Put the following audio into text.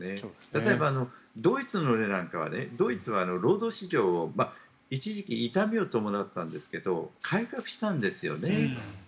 例えば、ドイツの例なんかはドイツは労働市場を一時期、痛みを伴ったんですけど改革したんですよね。